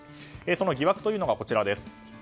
その疑惑というのがこちら。